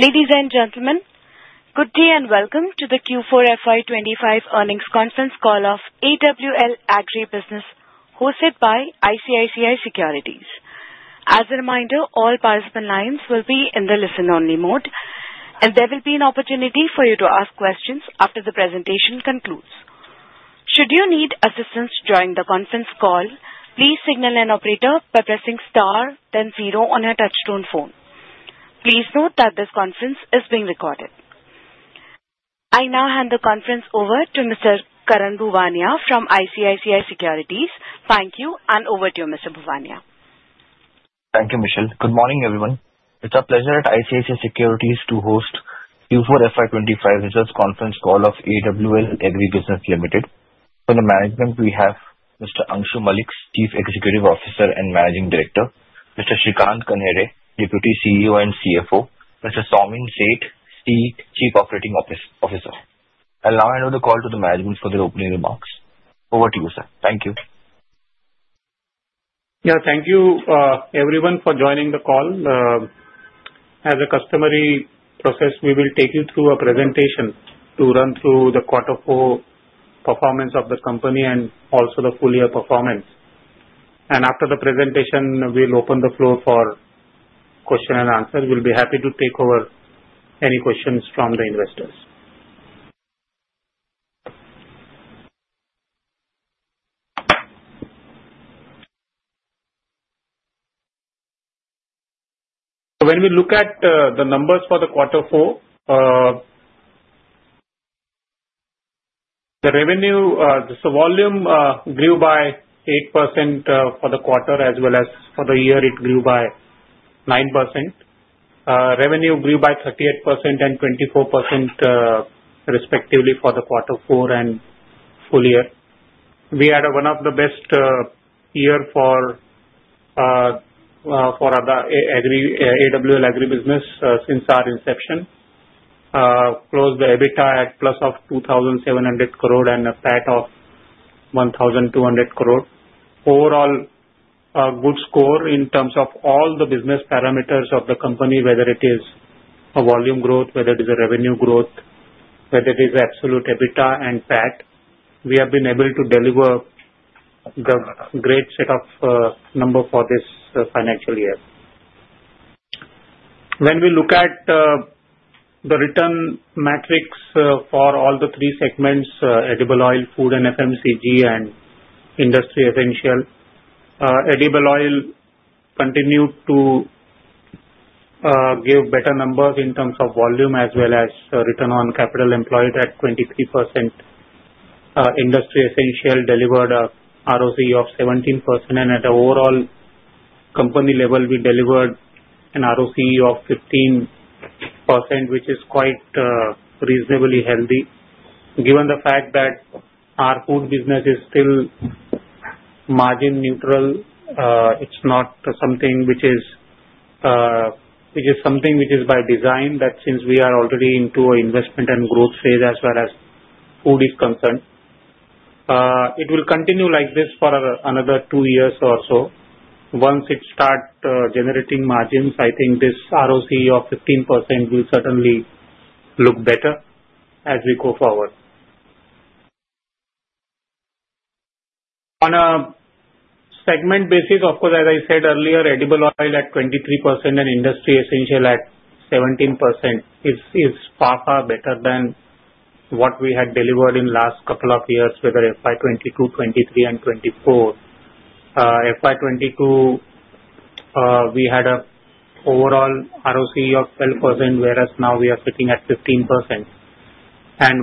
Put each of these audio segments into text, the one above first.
Ladies and gentlemen, good day and welcome to the Q4 FY25 earnings conference call of AWL Agri Business, hosted by ICICI Securities. As a reminder, all participant lines will be in the listen-only mode, and there will be an opportunity for you to ask questions after the presentation concludes. Should you need assistance during the conference call, please signal an operator by pressing star then zero on your touchstone phone. Please note that this conference is being recorded. I now hand the conference over to Mr. Karan Bhuvania from ICICI Securities. Thank you, and over to you, Mr. Bhuvania. Thank you, Michelle. Good morning, everyone. It's a pleasure at ICICI Securities to host Q4 FY25 Results Conference Call of AWL Agri Business Limited. For the management, we have Mr. Angshu Mallick, Chief Executive Officer and Managing Director; Mr. Shrikant Kanhere, Deputy CEO and CFO; Mr. Saumin Sheth, Chief Operating Officer. I'll now hand over the call to the management for their opening remarks. Over to you, sir. Thank you. Yeah, thank you, everyone, for joining the call. As a customary process, we will take you through a presentation to run through the quarter four performance of the company and also the full year performance. After the presentation, we'll open the floor for question and answer. We'll be happy to take over any questions from the investors. When we look at the numbers for the quarter four, the revenue, so volume grew by 8% for the quarter, as well as for the year, it grew by 9%. Revenue grew by 38% and 24%, respectively, for the quarter four and full year. We had one of the best years for AWL Agri Business since our inception. Closed the EBITDA at plus of 2,700 crore and a PAT of 1,200 crore. Overall, a good score in terms of all the business parameters of the company, whether it is volume growth, whether it is revenue growth, whether it is absolute EBITDA and PAT. We have been able to deliver the great set of numbers for this financial year. When we look at the return metrics for all the three segments: edible oil, food, and FMCG, and industry essential, edible oil continued to give better numbers in terms of volume, as well as return on capital employed at 23%. Industry essential delivered an ROC of 17%, and at the overall company level, we delivered an ROC of 15%, which is quite reasonably healthy. Given the fact that our food business is still margin neutral, it's not something which is something which is by design, but since we are already into an investment and growth phase, as well as food is concerned, it will continue like this for another two years or so. Once it starts generating margins, I think this ROC of 15% will certainly look better as we go forward. On a segment basis, of course, as I said earlier, edible oil at 23% and industry essential at 17% is far, far better than what we had delivered in the last couple of years, whether FY 2022, 2023, and 2024. FY 2022, we had an overall ROC of 12%, whereas now we are sitting at 15%.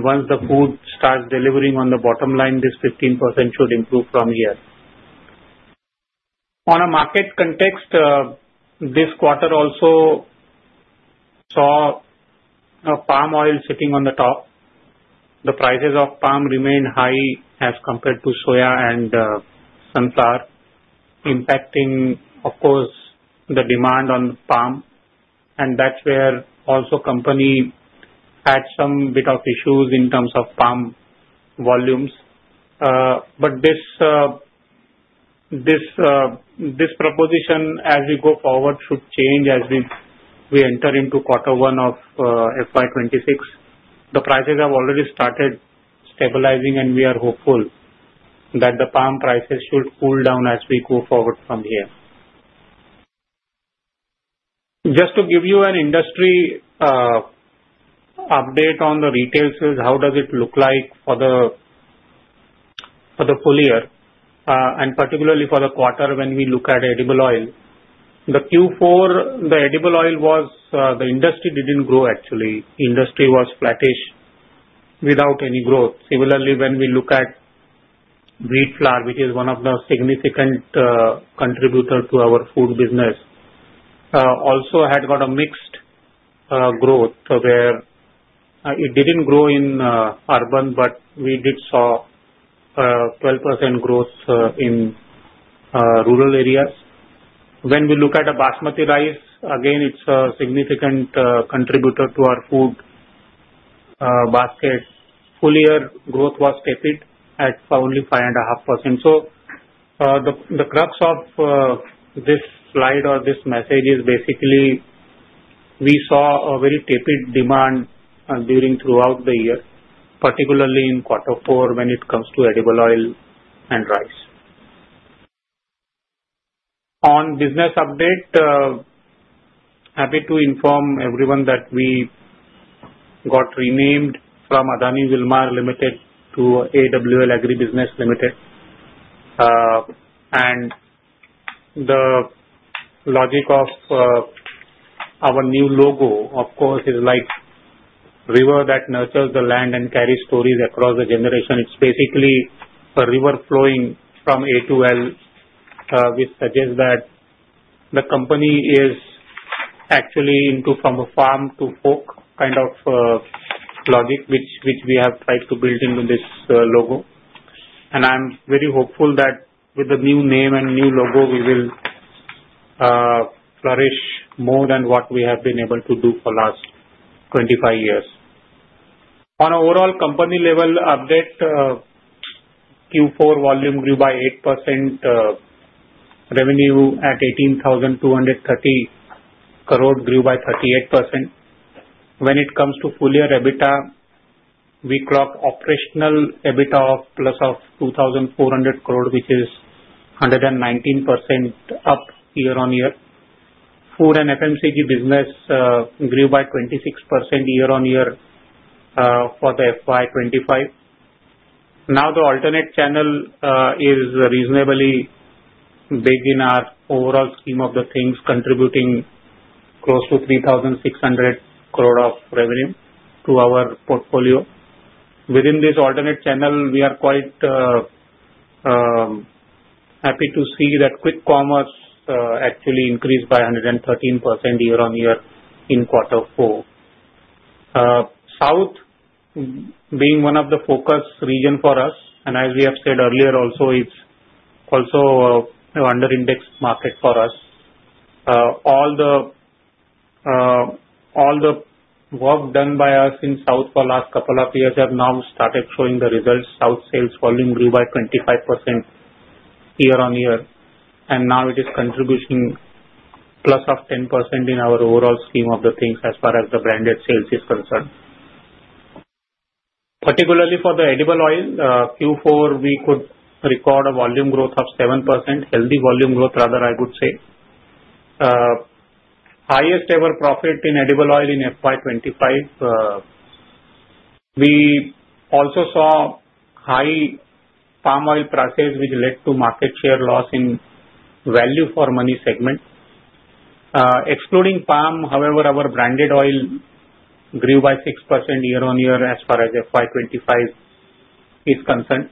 Once the food starts delivering on the bottom line, this 15% should improve from here. On a market context, this quarter also saw palm oil sitting on the top. The prices of palm remained high as compared to soya and sunflower, impacting, of course, the demand on palm. That is where also the company had some bit of issues in terms of palm volumes. This proposition, as we go forward, should change as we enter into quarter one of FY 2026. The prices have already started stabilizing, and we are hopeful that the palm prices should cool down as we go forward from here. Just to give you an industry update on the retail sales, how does it look like for the full year, and particularly for the quarter when we look at edible oil. The Q4, the edible oil was the industry did not grow, actually. Industry was flattish without any growth. Similarly, when we look at wheat flour, which is one of the significant contributors to our food business, also had got a mixed growth where it did not grow in urban, but we did see 12% growth in rural areas. When we look at basmati rice, again, it is a significant contributor to our food basket. Full year growth was tepid at only 5.5%. The crux of this slide or this message is basically we saw a very tepid demand throughout the year, particularly in quarter four when it comes to edible oil and rice. On business update, happy to inform everyone that we got renamed from Adani Wilmar Limited to AWL Agri Business Limited. The logic of our new logo, of course, is like a river that nurtures the land and carries stories across the generation. It's basically a river flowing from A to L, which suggests that the company is actually into from a farm to fork kind of logic, which we have tried to build into this logo. I am very hopeful that with the new name and new logo, we will flourish more than what we have been able to do for the last 25 years. On an overall company level update, Q4 volume grew by 8%. Revenue at 18,230 crore grew by 38%. When it comes to full year EBITDA, we clocked operational EBITDA of plus of 2,400 crore, which is 119% up year on year. Food and FMCG business grew by 26% year on year for the FY 2025. Now, the alternate channel is reasonably big in our overall scheme of the things, contributing close to 3,600 crore of revenue to our portfolio. Within this alternate channel, we are quite happy to see that quick commerce actually increased by 113% year on year in quarter four. South, being one of the focus regions for us, and as we have said earlier, also it's also an under-indexed market for us. All the work done by us in South for the last couple of years have now started showing the results. South sales volume grew by 25% year on year. Now it is contributing plus of 10% in our overall scheme of the things as far as the branded sales is concerned. Particularly for the edible oil, Q4 we could record a volume growth of 7%, healthy volume growth, rather, I would say. Highest-ever profit in edible oil in FY 2025. We also saw high palm oil prices, which led to market share loss in value for money segment. Excluding palm, however, our branded oil grew by 6% year on year as far as FY 2025 is concerned.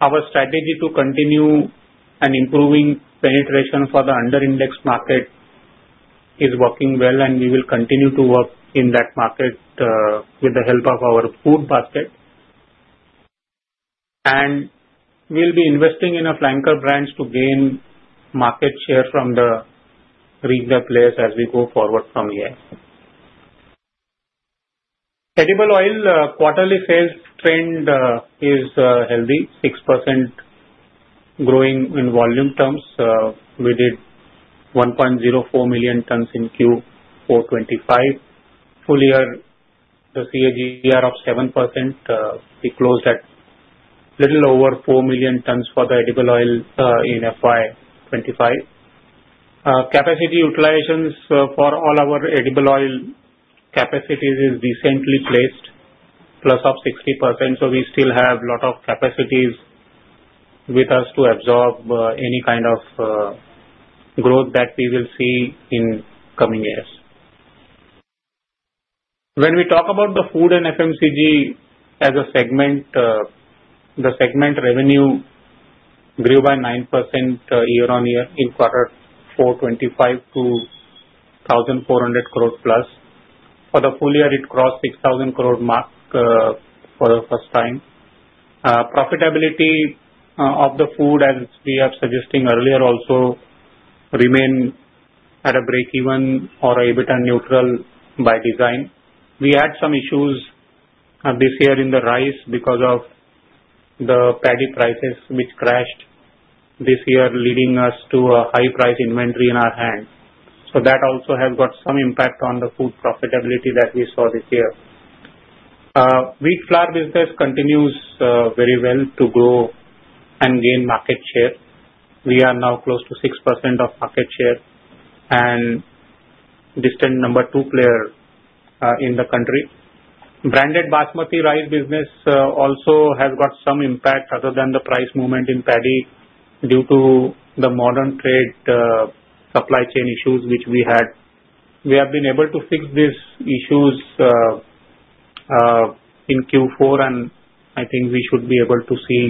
Our strategy to continue and improving penetration for the under-indexed market is working well, and we will continue to work in that market with the help of our food basket. We will be investing in a flanker branch to gain market share from the retail players as we go forward from here. Edible oil quarterly sales trend is healthy, 6% growing in volume terms. We did 1.04 million tons in Q4 2025. Full year, the CAGR of 7%. We closed at little over 4 million tons for the edible oil in FY 2025. Capacity utilizations for all our edible oil capacities is decently placed, plus of 60%. We still have a lot of capacities with us to absorb any kind of growth that we will see in coming years. When we talk about the food and FMCG as a segment, the segment revenue grew by 9% year on year in quarter 4 to 1,400 crore+. For the full year, it crossed the 6,000 crore mark for the first time. Profitability of the food, as we are suggesting earlier, also remained at a break-even or EBITDA neutral by design. We had some issues this year in the rice because of the paddy prices, which crashed this year, leading us to a high price inventory in our hands. That also has got some impact on the food profitability that we saw this year. Wheat flour business continues very well to grow and gain market share. We are now close to 6% of market share and distant number two player in the country. Branded basmati rice business also has got some impact other than the price movement in paddy due to the modern trade supply chain issues which we had. We have been able to fix these issues in Q4, and I think we should be able to see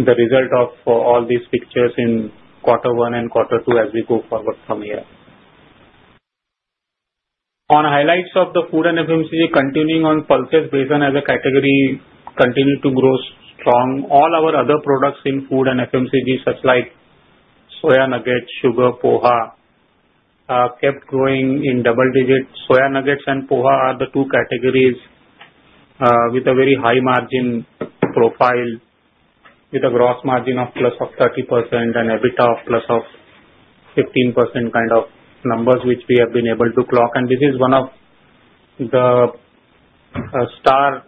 the result of all these pictures in quarter one and quarter two as we go forward from here. On highlights of the food and FMCG, continuing on pulses, besan as a category continued to grow strong. All our other products in food and FMCG, such like soya nuggets, sugar, poha, kept growing in double digits. Soya nuggets and poha are the two categories with a very high margin profile, with a gross margin of plus of 30% and EBITDA of plus of 15% kind of numbers which we have been able to clock. This is one of the star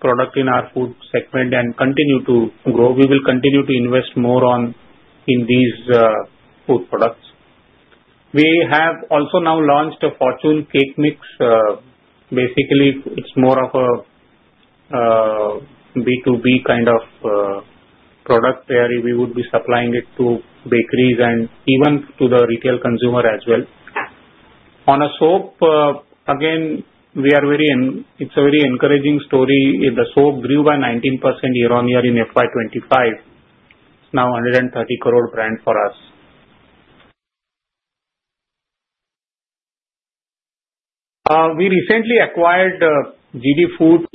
products in our food segment and continues to grow. We will continue to invest more in these food products. We have also now launched a Fortune cake mix. Basically, it is more of a B2B kind of product where we would be supplying it to bakeries and even to the retail consumer as well. On soap, again, it is a very encouraging story. The soap grew by 19% year on year in FY 2025. It is now an 130 crore brand for us. We recently acquired GD Foods.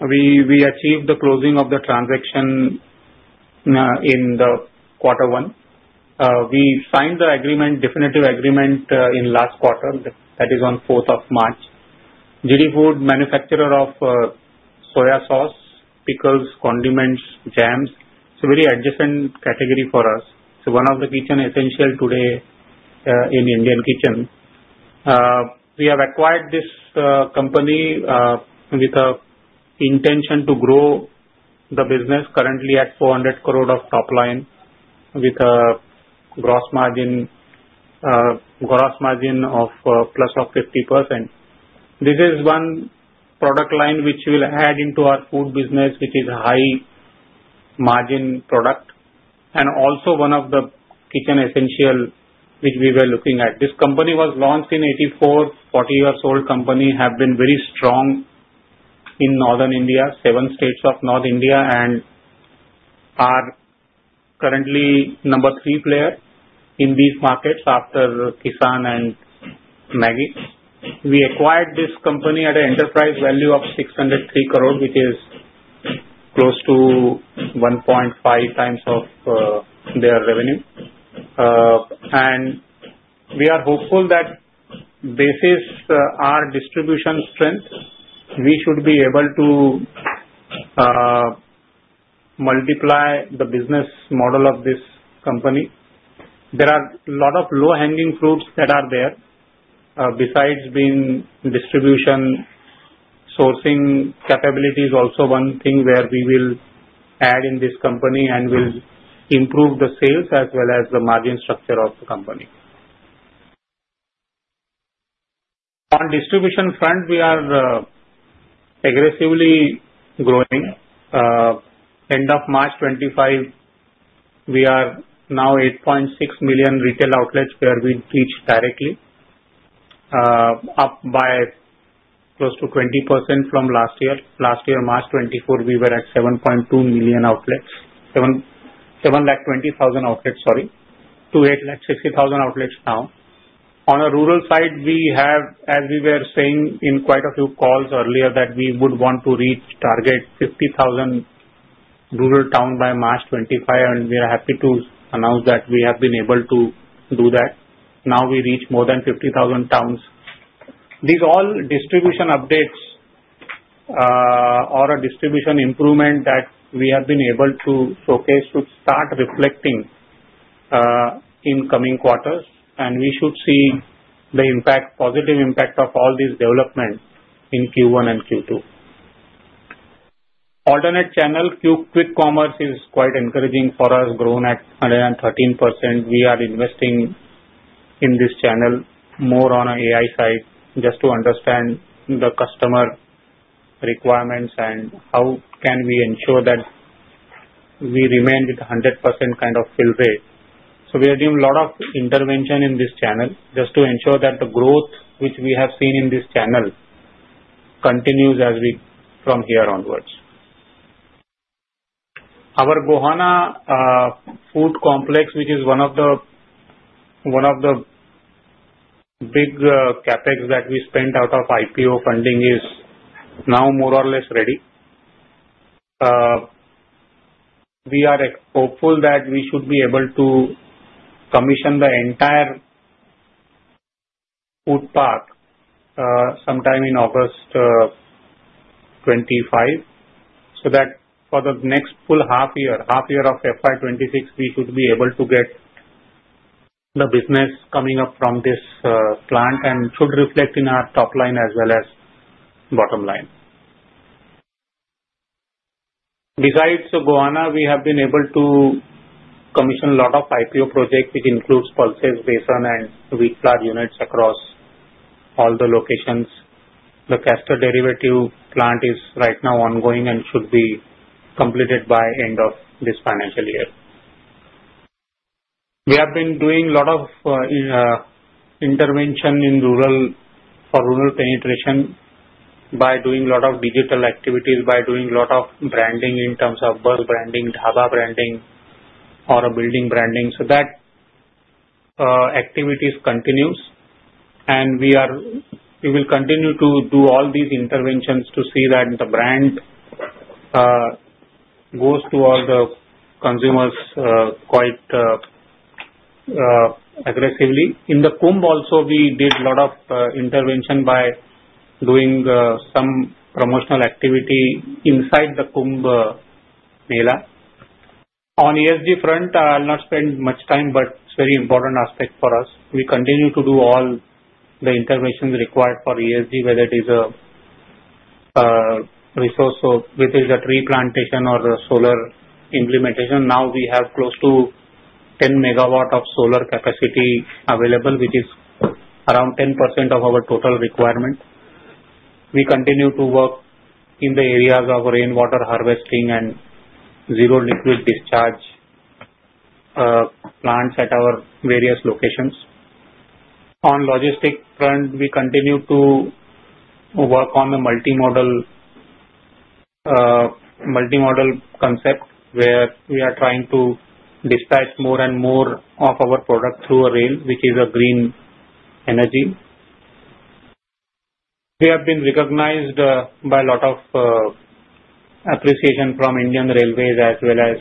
We achieved the closing of the transaction in quarter one. We signed the definitive agreement in the last quarter. That is on 4th of March. GD Foods, manufacturer of soya sauce, pickles, condiments, jams. It is a very adjacent category for us. It is one of the kitchen essentials today in the Indian kitchen. We have acquired this company with the intention to grow the business currently at 400 crore of top line with a gross margin of plus of 50%. This is one product line which will add into our food business, which is a high margin product, and also one of the kitchen essentials which we were looking at. This company was launched in 1984. Forty-year-old company has been very strong in northern India, seven states of north India, and are currently number three player in these markets after Kisan and Maggi. We acquired this company at an enterprise value of 603 crore, which is close to 1.5 times of their revenue. We are hopeful that based on our distribution strength, we should be able to multiply the business model of this company. There are a lot of low-hanging fruits that are there. Besides being distribution, sourcing capability is also one thing where we will add in this company and will improve the sales as well as the margin structure of the company. On distribution front, we are aggressively growing. End of March 2025, we are now at 860,000 retail outlets where we reach directly, up by close to 20% from last year. Last year, March 2024, we were at 720,000 outlets. On a rural side, we have, as we were saying in quite a few calls earlier, that we would want to reach target 50,000 rural towns by March 2025, and we are happy to announce that we have been able to do that. Now we reach more than 50,000 towns. These all distribution updates or a distribution improvement that we have been able to showcase should start reflecting in coming quarters, and we should see the positive impact of all these developments in Q1 and Q2. Alternate channel, quick commerce, is quite encouraging for us, growing at 113%. We are investing in this channel more on an AI side, just to understand the customer requirements and how can we ensure that we remain with 100% kind of fill rate. We are doing a lot of intervention in this channel just to ensure that the growth which we have seen in this channel continues from here onwards. Our Gohana Food Complex, which is one of the big CapEx that we spent out of IPO funding, is now more or less ready. We are hopeful that we should be able to commission the entire food park sometime in August 2025, so that for the next full half year, half year of FY 2026, we should be able to get the business coming up from this plant and should reflect in our top line as well as bottom line. Besides Gohana, we have been able to commission a lot of IPO projects, which includes pulses, besan, and wheat flour units across all the locations. The castor derivative plant is right now ongoing and should be completed by the end of this financial year. We have been doing a lot of intervention for rural penetration by doing a lot of digital activities, by doing a lot of branding in terms of bus branding, DABA branding, or building branding. That activities continue, and we will continue to do all these interventions to see that the brand goes to all the consumers quite aggressively. In the Kumbh, also, we did a lot of intervention by doing some promotional activity inside the Kumbh Mela. On ESG front, I'll not spend much time, but it's a very important aspect for us. We continue to do all the interventions required for ESG, whether it is a resource within the tree plantation or the solar implementation. Now we have close to 10 megawatts of solar capacity available, which is around 10% of our total requirement. We continue to work in the areas of rainwater harvesting and zero liquid discharge plants at our various locations. On logistic front, we continue to work on the multimodal concept where we are trying to dispatch more and more of our product through rail, which is a green energy. We have been recognized by a lot of appreciation from Indian Railways as well as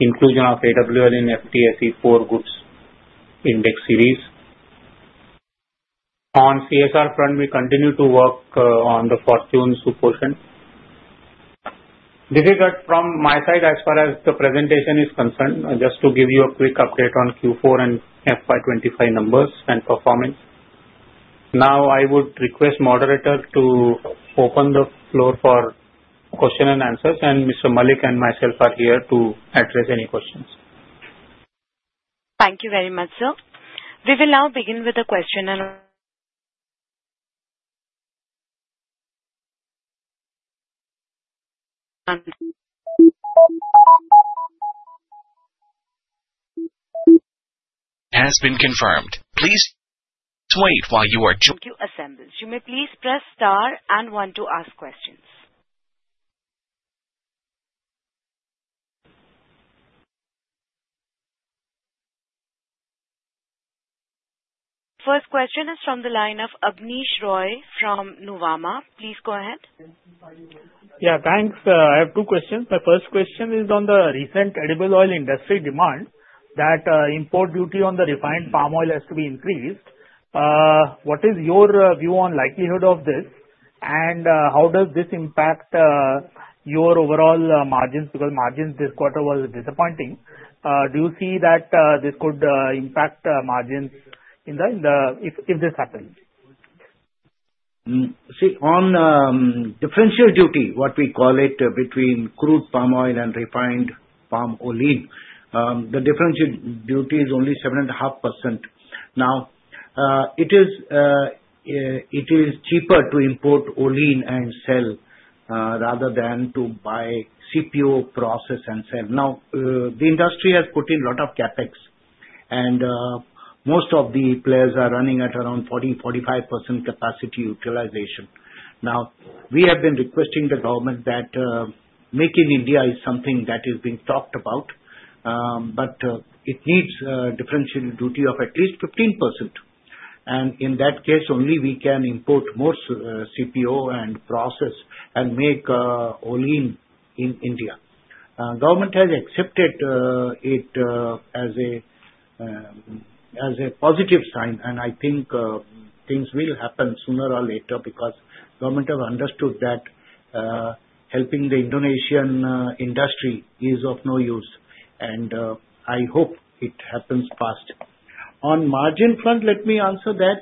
inclusion of AWL in FTSE 4 Goods Index Series. On CSR front, we continue to work on the Fortune Sufficient. This is it from my side as far as the presentation is concerned, just to give you a quick update on Q4 and FY 2025 numbers and performance. Now I would request the moderator to open the floor for questions and answers, and Mr. Mallick and myself are here to address any questions. Thank you very much, sir. We will now begin with the question and answer. Has been confirmed. Please wait while you are. Thank you, assembles. You may please press star and one to ask questions. First question is from the line of Abnesh Roy from Nuvama. Please go ahead. Yeah, thanks. I have two questions. My first question is on the recent edible oil industry demand that import duty on the refined palm oil has to be increased. What is your view on the likelihood of this, and how does this impact your overall margins? Because margins this quarter was disappointing. Do you see that this could impact margins if this happens? See, on differential duty, what we call it between crude palm oil and refined palm olein, the differential duty is only 7.5%. Now, it is cheaper to import olein and sell rather than to buy CPO process and sell. Now, the industry has put in a lot of CapEx, and most of the players are running at around 40-45% capacity utilization. Now, we have been requesting the government that making India is something that is being talked about, but it needs a differential duty of at least 15%. In that case, only we can import more CPO and process and make olein in India. The government has accepted it as a positive sign, and I think things will happen sooner or later because the government has understood that helping the Indonesian industry is of no use, and I hope it happens fast. On margin front, let me answer that.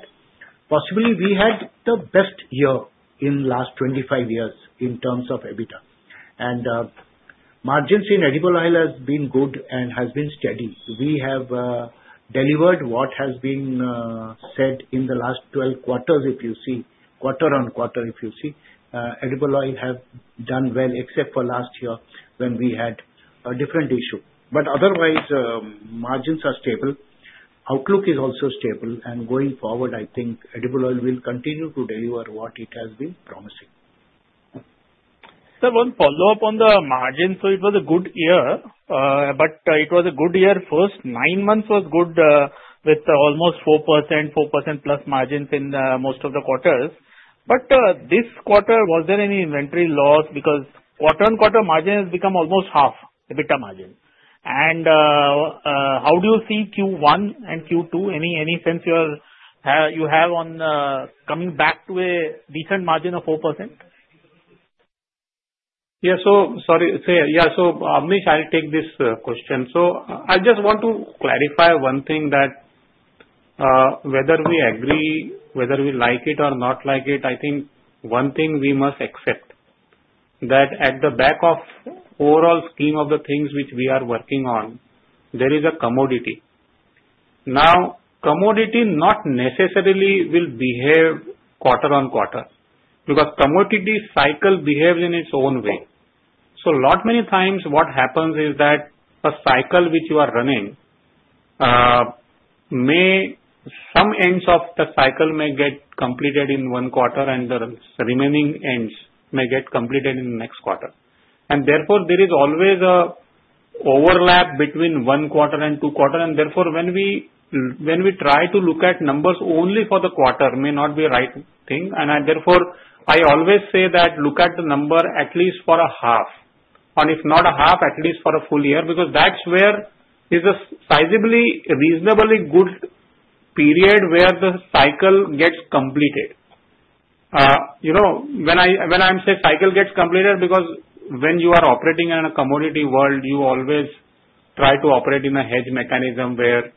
Possibly, we had the best year in the last 25 years in terms of EBITDA. Margins in edible oil have been good and have been steady. We have delivered what has been said in the last 12 quarters, if you see, quarter on quarter, if you see. Edible oil has done well except for last year when we had a different issue. Otherwise, margins are stable. Outlook is also stable. Going forward, I think edible oil will continue to deliver what it has been promising. Sir, one follow-up on the margins. It was a good year, but it was a good year first. Nine months was good with almost 4%, 4% plus margins in most of the quarters. This quarter, was there any inventory loss? Because quarter on quarter, margin has become almost half, EBITDA margin. How do you see Q1 and Q2? Any sense you have on coming back to a decent margin of 4%? Yeah, sorry. Yeah, Abnesh, I'll take this question. I just want to clarify one thing that whether we agree, whether we like it or not like it, I think one thing we must accept that at the back of the overall scheme of the things which we are working on, there is a commodity. Now, commodity not necessarily will behave quarter on quarter because commodity cycle behaves in its own way. A lot many times what happens is that a cycle which you are running may some ends of the cycle may get completed in one quarter, and the remaining ends may get completed in the next quarter. Therefore, there is always an overlap between one quarter and two quarters. Therefore, when we try to look at numbers only for the quarter, it may not be the right thing. Therefore, I always say that look at the number at least for a half, or if not a half, at least for a full year because that's where it is a sizably reasonably good period where the cycle gets completed. When I say cycle gets completed, because when you are operating in a commodity world, you always try to operate in a hedge mechanism where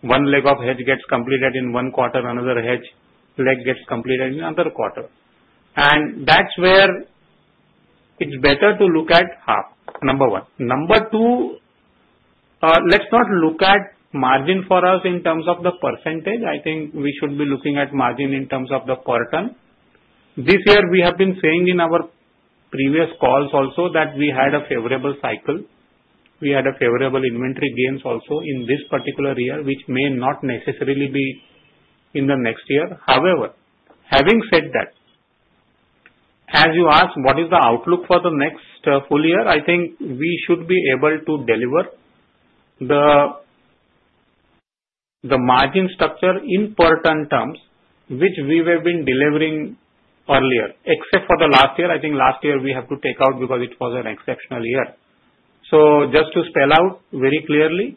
one leg of hedge gets completed in one quarter, another hedge leg gets completed in another quarter. That's where it's better to look at half, number one. Number two, let's not look at margin for us in terms of the percentage. I think we should be looking at margin in terms of the quarter. This year, we have been saying in our previous calls also that we had a favorable cycle. We had favorable inventory gains also in this particular year, which may not necessarily be in the next year. However, having said that, as you asked, what is the outlook for the next full year, I think we should be able to deliver the margin structure in per ton terms, which we have been delivering earlier, except for the last year. I think last year we have to take out because it was an exceptional year. Just to spell out very clearly,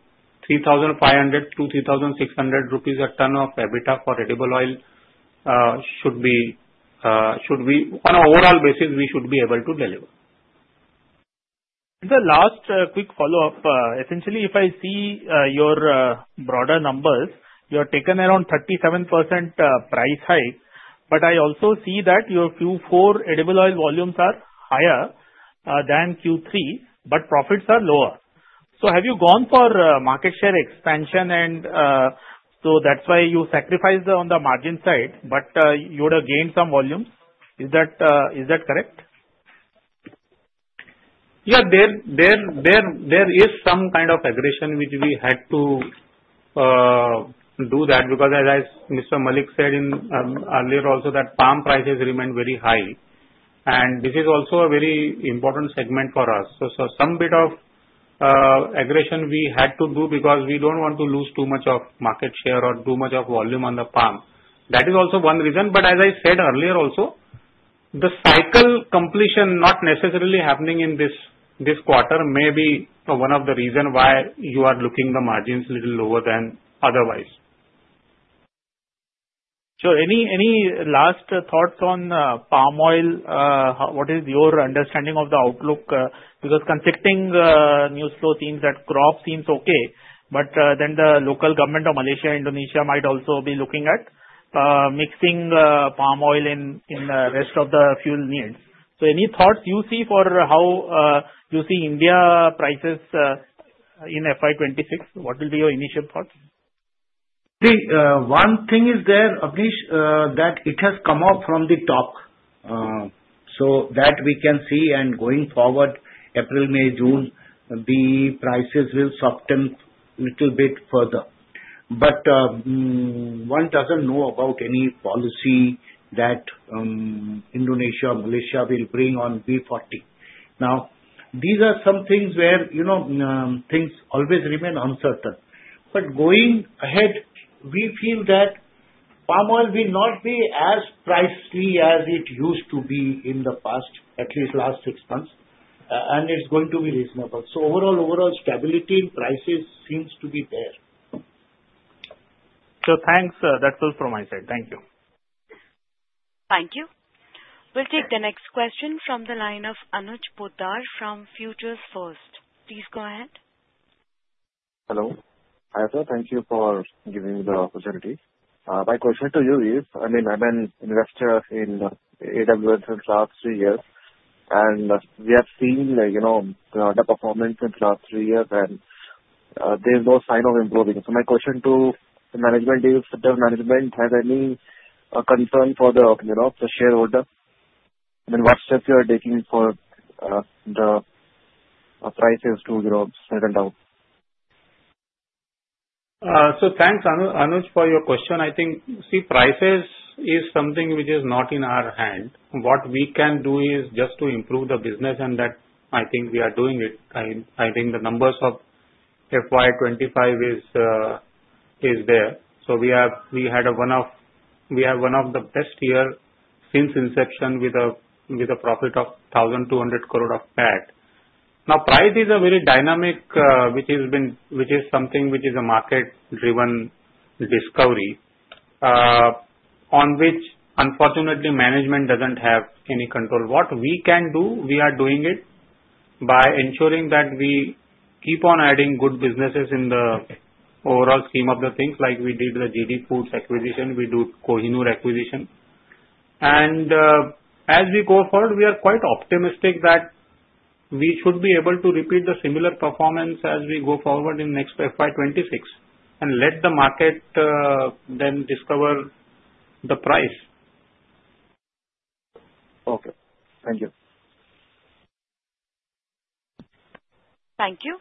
3,500-3,600 rupees a ton of EBITDA for edible oil should be, on an overall basis, we should be able to deliver. The last quick follow-up, essentially, if I see your broader numbers, you have taken around 37% price hike, but I also see that your Q4 edible oil volumes are higher than Q3, but profits are lower. Have you gone for market share expansion? That's why you sacrificed on the margin side, but you would have gained some volumes. Is that correct? Yeah, there is some kind of aggression which we had to do because, as Mr. Mallick said earlier also, palm prices remain very high. This is also a very important segment for us. Some bit of aggression we had to do because we do not want to lose too much of market share or too much of volume on the palm. That is also one reason. As I said earlier also, the cycle completion not necessarily happening in this quarter may be one of the reasons why you are looking at the margins a little lower than otherwise. Any last thoughts on palm oil? What is your understanding of the outlook? Because conflicting news flow seems that crop seems okay, but then the local government of Malaysia, Indonesia might also be looking at mixing palm oil in the rest of the fuel needs. Any thoughts you see for how you see India prices in FY 2026? What will be your initial thoughts? See, one thing is there, Abnesh, that it has come up from the top. That we can see, and going forward, April, May, June, the prices will soften a little bit further. One doesn't know about any policy that Indonesia or Malaysia will bring on B40. These are some things where things always remain uncertain. Going ahead, we feel that palm oil will not be as pricey as it used to be in the past, at least last six months, and it's going to be reasonable. Overall, overall stability in prices seems to be there. Thanks. That's all from my side. Thank you. Thank you. We'll take the next question from the line of Anuj Poddar from Futures First. Please go ahead. Hello. Hi there. Thank you for giving me the opportunity. My question to you is, I mean, I'm an investor in AWL since the last three years, and we have seen the performance in the last three years, and there's no sign of improving. My question to management is, does management have any concern for the shareholder? I mean, what steps you are taking for the prices to settle down? Thanks, Anuj, for your question. I think, see, prices is something which is not in our hand. What we can do is just to improve the business, and that I think we are doing it. I think the numbers of FY 2025 is there. We had one of the best year since inception with a profit of 1,200 crore of PAT. Now, price is very dynamic, which is something which is a market-driven discovery on which, unfortunately, management does not have any control. What we can do, we are doing it by ensuring that we keep on adding good businesses in the overall scheme of the things, like we did the GD Foods acquisition. We do Kohinoor acquisition. As we go forward, we are quite optimistic that we should be able to repeat the similar performance as we go forward in next FY 2026 and let the market then discover the price. Okay. Thank you. Thank you.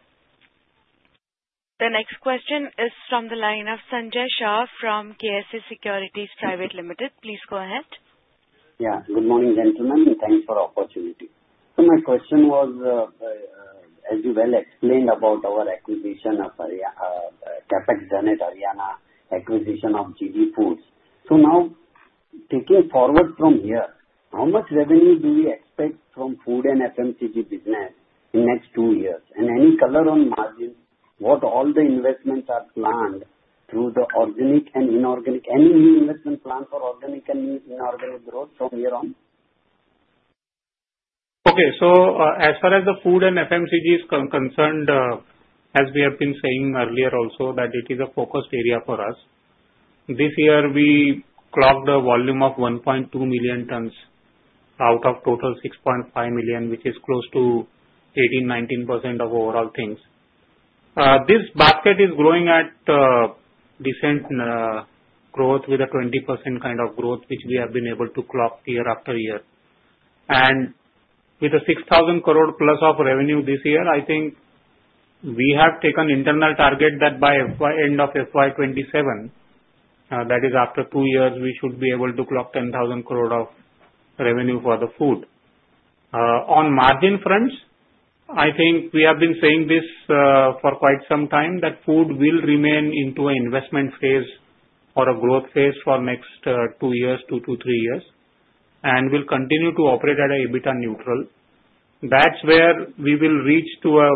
The next question is from the line of Sanjay Shah from KSA Securities Private Limited. Please go ahead. Yeah. Good morning, gentlemen. Thanks for the opportunity. My question was, as you well explained about our acquisition of CapEx Zenith Haryana, acquisition of GD Foods. Now, taking forward from here, how much revenue do we expect from food and FMCG business in the next two years? Any color on margin? What all the investments are planned through the organic and inorganic? Any new investment plan for organic and inorganic growth from here on? Okay. As far as the food and FMCG is concerned, as we have been saying earlier also, it is a focused area for us. This year, we clocked a volume of 1.2 million tons out of total 6.5 million, which is close to 18-19% of overall things. This basket is growing at decent growth with a 20% kind of growth, which we have been able to clock year after year. With a 6,000 crore+ of revenue this year, I think we have taken an internal target that by end of FY 2027, that is, after two years, we should be able to clock 10,000 crore of revenue for the food. On margin fronts, I think we have been saying this for quite some time that food will remain into an investment phase or a growth phase for the next two to three years, and will continue to operate at an EBITDA neutral. That is where we will reach to a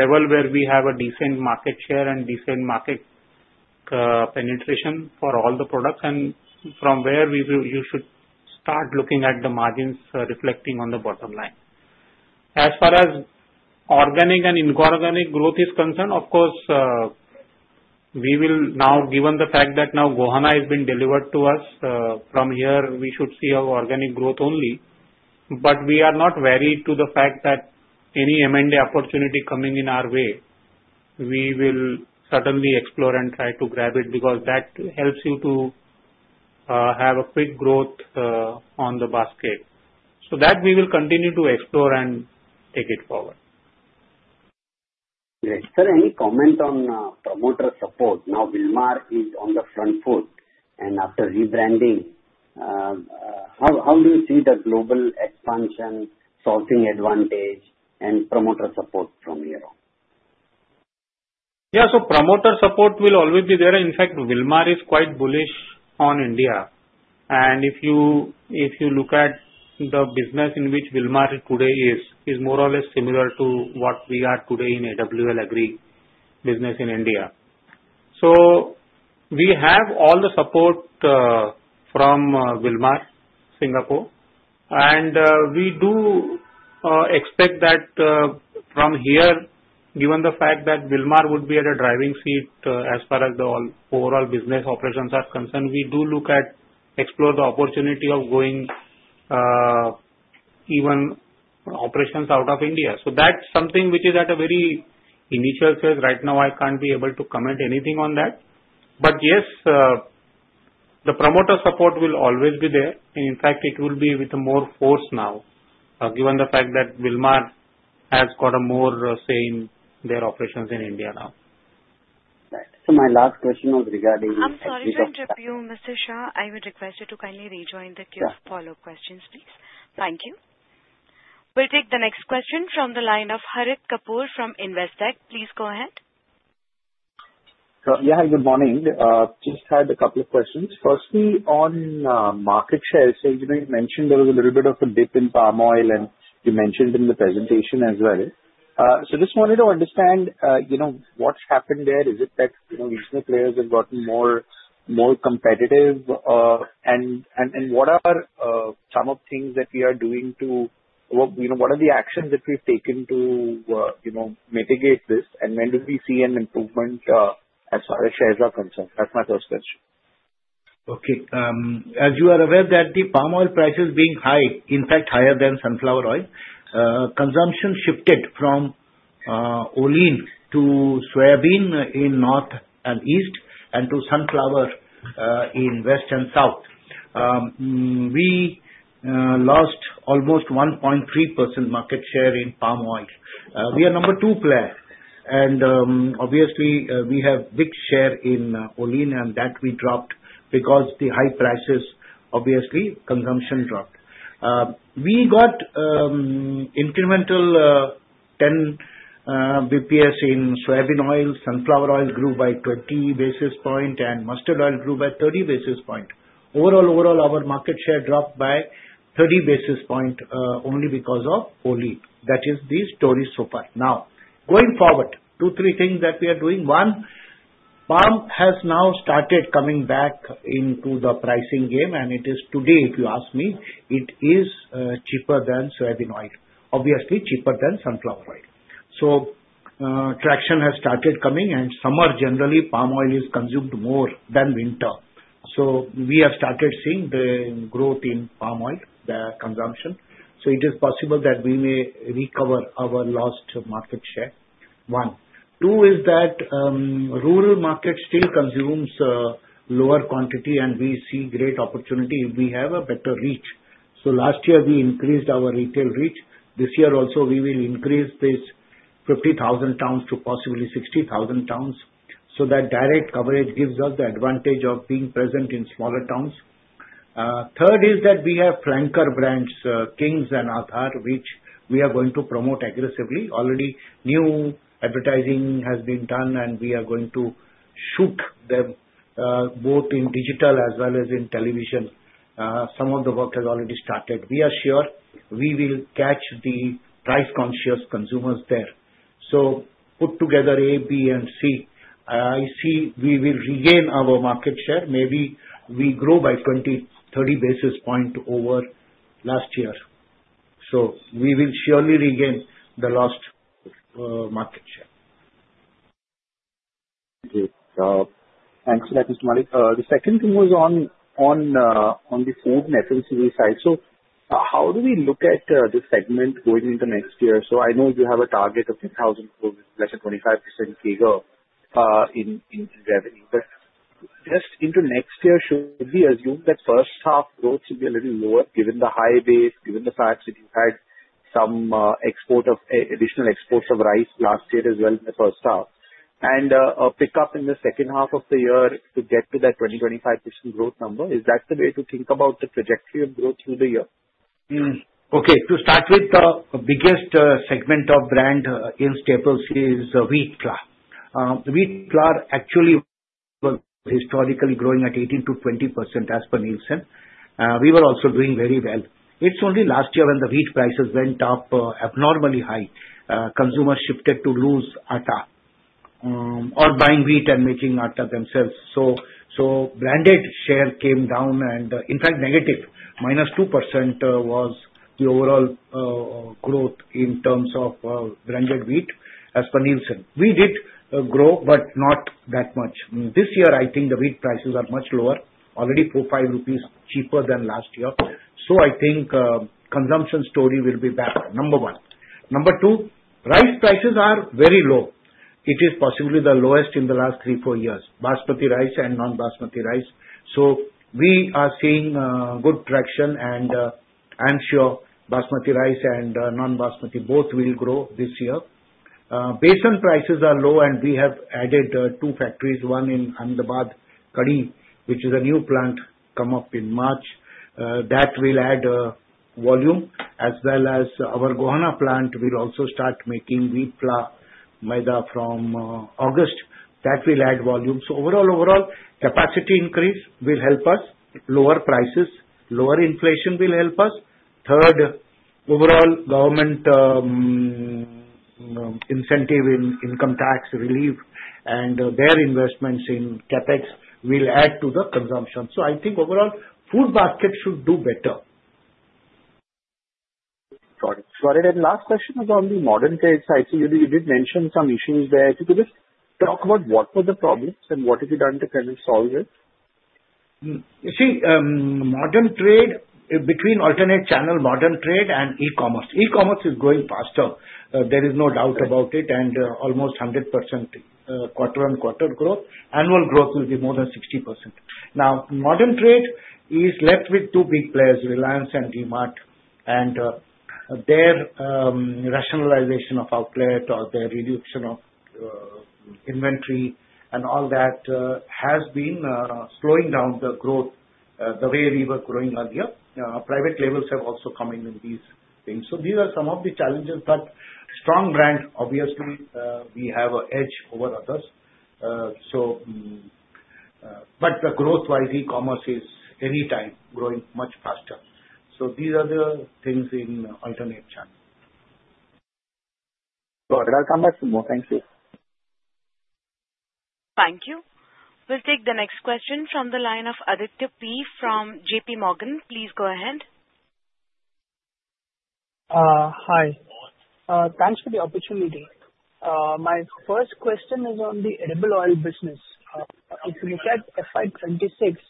level where we have a decent market share and decent market penetration for all the products, and from where you should start looking at the margins reflecting on the bottom line. As far as organic and inorganic growth is concerned, of course, we will now, given the fact that now Gohana has been delivered to us, from here, we should see our organic growth only. We are not wary to the fact that any M&A opportunity coming in our way, we will certainly explore and try to grab it because that helps you to have a quick growth on the basket. We will continue to explore and take it forward. Great. Sir, any comment on promoter support? Now, Wilmar is on the front foot, and after rebranding, how do you see the global expansion, sourcing advantage, and promoter support from here on? Yeah. Promoter support will always be there. In fact, Wilmar is quite bullish on India. If you look at the business in which Wilmar today is, it's more or less similar to what we are today in AWL Agri Business in India. We have all the support from Wilmar, Singapore. We do expect that from here, given the fact that Wilmar would be at a driving seat as far as the overall business operations are concerned, we do look at exploring the opportunity of going even operations out of India. That's something which is at a very initial phase. Right now, I can't be able to comment anything on that. Yes, the promoter support will always be there. In fact, it will be with more force now, given the fact that Wilmar has got a more say in their operations in India now. Right. My last question was regarding this interview. I'm sorry to interrupt you, Mr. Shah. I would request you to kindly rejoin the Q&A follow-up questions, please. Thank you. We'll take the next question from the line of Harit Kapoor from Investec. Please go ahead. Yeah. Hi, good morning. Just had a couple of questions. Firstly, on market share, you mentioned there was a little bit of a dip in palm oil, and you mentioned in the presentation as well. Just wanted to understand what's happened there. Is it that regional players have gotten more competitive? What are some of the things that we are doing, what are the actions that we've taken to mitigate this? When do we see an improvement as far as shares are concerned? That's my first question. Okay.As you are aware that the palm oil prices being high, in fact, higher than sunflower oil, consumption shifted from oline to soybean in north and east and to sunflower in west and south. We lost almost 1.3% market share in palm oil. We are number two player. Obviously, we have a big share in oline, and that we dropped because the high prices, obviously, consumption dropped. We got incremental 10 basis points in soybean oil. Sunflower oil grew by 20 basis points, and mustard oil grew by 30 basis points. Overall, our market share dropped by 30 basis points only because of oline. That is the story so far. Now, going forward, two, three things that we are doing. One, palm has now started coming back into the pricing game, and it is today, if you ask me, it is cheaper than soybean oil. Obviously, cheaper than sunflower oil. Traction has started coming, and summer, generally, palm oil is consumed more than winter. We have started seeing the growth in palm oil, the consumption. It is possible that we may recover our lost market share. One. Two is that rural market still consumes lower quantity, and we see great opportunity if we have a better reach. Last year, we increased our retail reach. This year also, we will increase this 50,000 tons to possibly 60,000 tons. That direct coverage gives us the advantage of being present in smaller towns. Third is that we have flanker brands, Kings and Aadhaar, which we are going to promote aggressively. Already, new advertising has been done, and we are going to shoot them both in digital as well as in television. Some of the work has already started. We are sure we will catch the price-conscious consumers there. Put together A, B, and C. I see we will regain our market share. Maybe we grow by 20-30 basis points over last year. We will surely regain the lost market share. Thank you. Thanks for that, Mr. Mallick. The second thing was on the food and FMCG side. How do we look at the segment going into next year? I know you have a target of 10,000 crore with less than 25% CAGR in revenue. Just into next year, should we assume that first half growth should be a little lower given the high base, given the fact that you had some additional exports of rice last year as well in the first half, and a pickup in the second half of the year to get to that 20-25% growth number? Is that the way to think about the trajectory of growth through the year? Okay. To start with, the biggest segment of brand in staples is wheat flour. Wheat flour actually was historically growing at 18-20% as per Nielsen. We were also doing very well. It's only last year when the wheat prices went up abnormally high, consumers shifted to loose Aadhaar or buying wheat and making Aadhaar themselves. So branded share came down, and in fact, negative, minus 2% was the overall growth in terms of branded wheat as per Nielsen. We did grow, but not that much. This year, I think the wheat prices are much lower, already 4 rupees, INR 5 cheaper than last year. I think consumption story will be back, number one. Number two, rice prices are very low. It is possibly the lowest in the last three, four years, Basmati rice and non-Basmati rice. We are seeing good traction, and I'm sure Basmati rice and non-Basmati both will grow this year. Besan prices are low, and we have added two factories, one in Ahmedabad, Kadee, which is a new plant come up in March. That will add volume, as well as our Gohana plant will also start making wheat flour, maida from August. That will add volume. Overall, overall, capacity increase will help us. Lower prices, lower inflation will help us. Third, overall government incentive in income tax relief and their investments in CapEx will add to the consumption. I think overall, food basket should do better. Got it. Got it. Last question is on the modern trade side. You did mention some issues there. If you could just talk about what were the problems and what have you done to kind of solve it? See, modern trade between alternate channel, modern trade and e-commerce. E-commerce is growing faster. There is no doubt about it, and almost 100% quarter on quarter growth. Annual growth will be more than 60%. Now, modern trade is left with two big players, Reliance and D-Mart, and their rationalization of outlet or their reduction of inventory and all that has been slowing down the growth the way we were growing earlier. Private labels have also come in in these things. These are some of the challenges. Strong brand, obviously, we have an edge over others. Growth-wise, e-commerce is any time growing much faster. These are the things in alternate channel. Got it. I'll come back to more. Thank you. Thank you. We'll take the next question from the line of Aditya P from JPMorgan. Please go ahead. Hi. Thanks for the opportunity. My first question is on the edible oil business. If you look at FY 2026,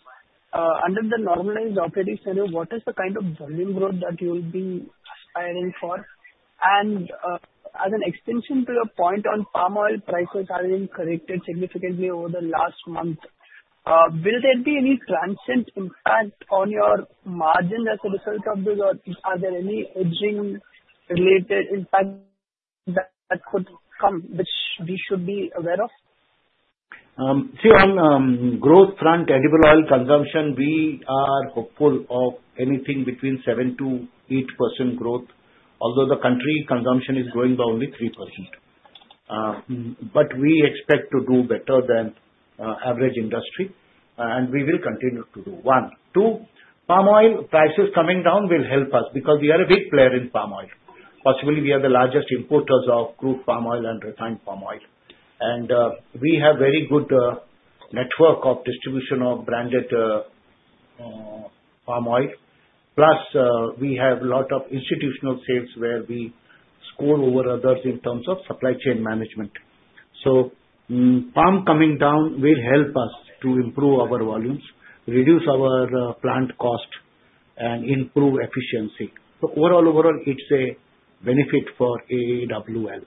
under the normalized operating scenario, what is the kind of volume growth that you will be aspiring for? As an extension to your point on palm oil prices having corrected significantly over the last month, will there be any transient impact on your margin as a result of this, or are there any hedging-related impacts that could come which we should be aware of? See, on growth front, edible oil consumption, we are hopeful of anything between 7%-8% growth, although the country consumption is growing by only 3%. We expect to do better than average industry, and we will continue to do. One. Two, palm oil prices coming down will help us because we are a big player in palm oil. Possibly, we are the largest importers of crude palm oil and refined palm oil. We have a very good network of distribution of branded palm oil. Plus, we have a lot of institutional sales where we score over others in terms of supply chain management. Palm coming down will help us to improve our volumes, reduce our plant cost, and improve efficiency. Overall, it is a benefit for AWL.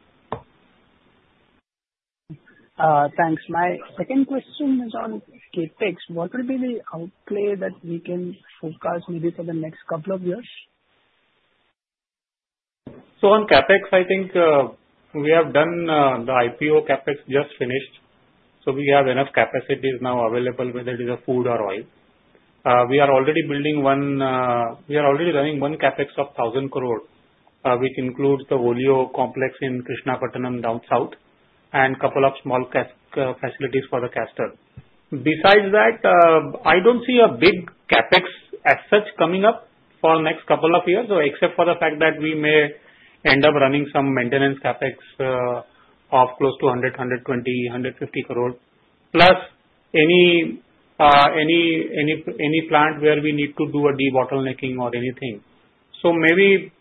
Thanks. My second question is on CapEx. What will be the outlay that we can focus maybe for the next couple of years? On CapEx, I think we have done the IPO CapEx just finished. We have enough capacity now available, whether it is food or oil. We are already building one. We are already running one CapEx of 1,000 crore, which includes the oleo complex in Krishnapatnam down south and a couple of small facilities for the castle. Besides that, I do not see a big CapEx as such coming up for the next couple of years, except for the fact that we may end up running some maintenance CapEx of close to 100, 120, 150 crore, plus any plant where we need to do a de-bottlenecking or anything. Maybe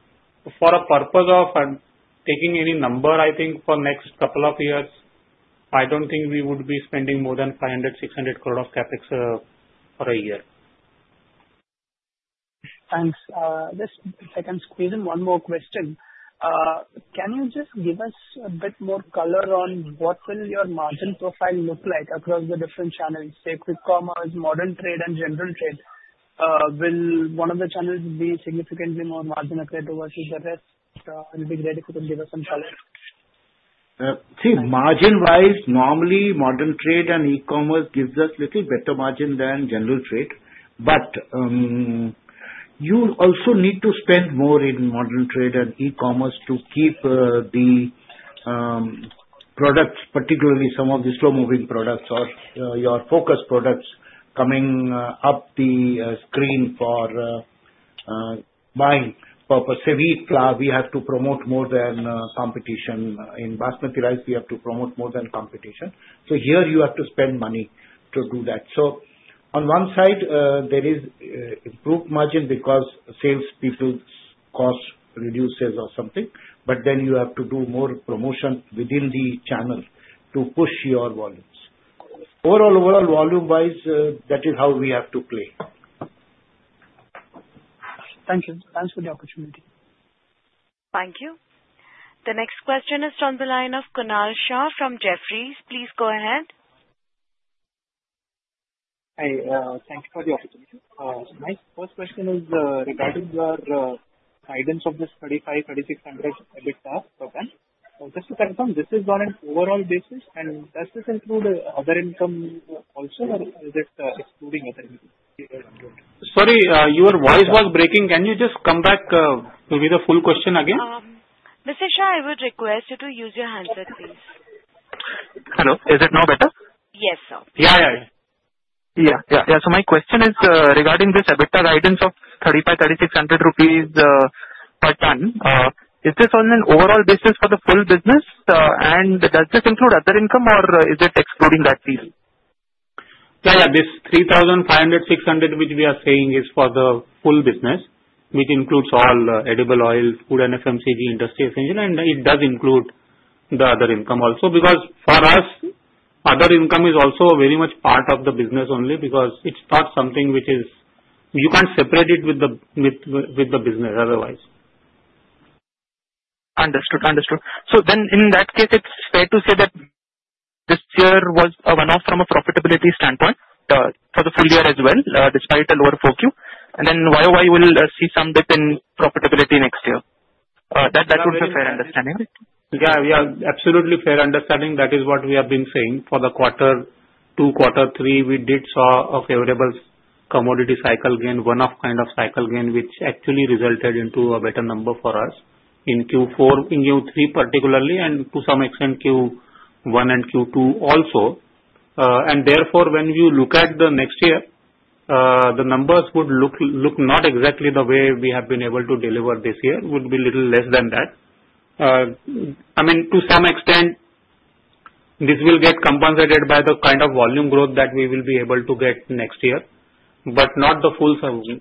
for the purpose of taking any number, I think for the next couple of years, I do not think we would be spending more than 500-600 crore of CapEx for a year. Thanks. Just if I can squeeze in one more question, can you just give us a bit more color on what will your margin profile look like across the different channels? Say quick commerce, modern trade, and general trade. Will one of the channels be significantly more margin-affected versus the rest? It would be great if you could give us some color. See, margin-wise, normally modern trade and e-commerce gives us a little better margin than general trade. You also need to spend more in modern trade and e-commerce to keep the products, particularly some of the slow-moving products or your focus products coming up the screen for buying purpose. See, wheat flour, we have to promote more than competition. In Basmati rice, we have to promote more than competition. Here, you have to spend money to do that. On one side, there is improved margin because salespeople's cost reduces or something. You have to do more promotion within the channel to push your volumes. Overall, overall, volume-wise, that is how we have to play. Thank you. Thanks for the opportunity. Thank you. The next question is on the line of Kunal Shah from Jefferies. Please go ahead. Hi. Thank you for the opportunity. My first question is regarding your guidance of the 3,500-3,600 EBITDA program. Just to confirm, this is on an overall basis, and does this include other income also, or is it excluding other income? Sorry, your voice was breaking. Can you just come back with the full question again? Mr. Shah, I would request you to use your handset, please. Hello. Is it now better? Yes, sir. Yeah, yeah, yeah. Yeah, yeah, yeah. My question is regarding this EBITDA guidance of 3,500-3,600 rupees per ton. Is this on an overall basis for the full business, and does this include other income, or is it excluding that piece? Yeah, yeah. This 3,500-3,600, which we are saying is for the full business, which includes all edible oil, food, and FMCG, industrial essential, and it does include the other income also because for us, other income is also very much part of the business only because it's not something which you can't separate it with the business otherwise. Understood, understood. In that case, it's fair to say that this year was a one-off from a profitability standpoint. For the full year as well, despite a lower FOQ. YOY will see some dip in profitability next year. That would be a fair understanding, right? Yeah, yeah. Absolutely fair understanding. That is what we have been saying for the quarter two, quarter three, we did see a favorable commodity cycle gain, one-off kind of cycle gain, which actually resulted into a better number for us in Q4, in Q3 particularly, and to some extent Q1 and Q2 also. Therefore, when you look at the next year, the numbers would look not exactly the way we have been able to deliver this year. It would be a little less than that. I mean, to some extent, this will get compensated by the kind of volume growth that we will be able to get next year, but not the full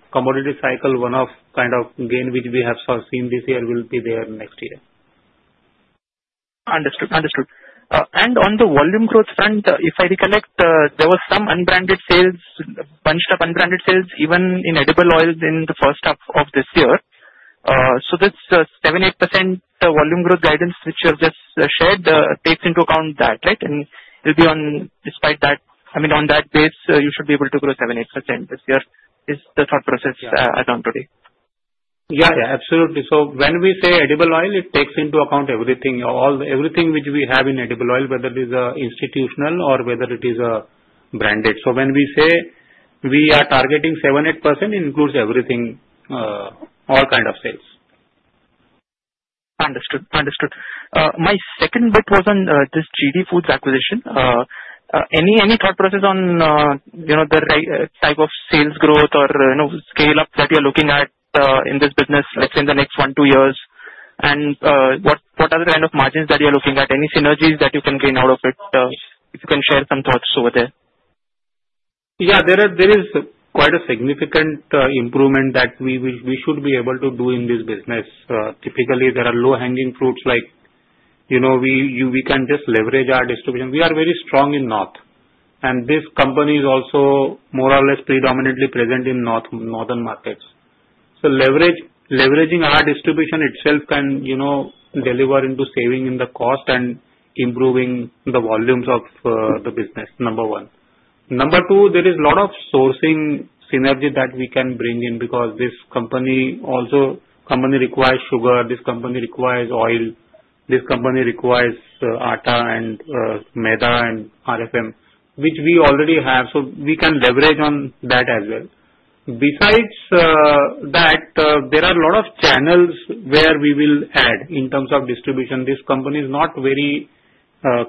commodity cycle, one-off kind of gain which we have seen this year will be there next year. Understood, understood. On the volume growth front, if I recollect, there were some unbranded sales, bunched up unbranded sales, even in edible oil in the first half of this year. This 7%-8% volume growth guidance which you have just shared takes into account that, right? It will be on despite that, I mean, on that base, you should be able to grow 7%-8% this year is the thought process as of today. Yeah, yeah. Absolutely. When we say edible oil, it takes into account everything, everything which we have in edible oil, whether it is institutional or whether it is branded. When we say we are targeting 7%-8%, it includes everything, all kind of sales. Understood, understood. My second bit was on this GD Foods acquisition. Any thought process on the type of sales growth or scale-up that you're looking at in this business, let's say in the next one, two years, and what other kind of margins that you're looking at, any synergies that you can gain out of it? If you can share some thoughts over there. Yeah, there is quite a significant improvement that we should be able to do in this business. Typically, there are low-hanging fruits like we can just leverage our distribution. We are very strong in north, and this company is also more or less predominantly present in northern markets. Leveraging our distribution itself can deliver into saving in the cost and improving the volumes of the business, number one. Number two, there is a lot of sourcing synergy that we can bring in because this company also requires sugar. This company requires oil. This company requires atta and maida and RFM, which we already have. We can leverage on that as well. Besides that, there are a lot of channels where we will add in terms of distribution. This company is not